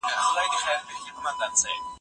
ټولنه د سياسي بدلونونو پر لور روانه ده.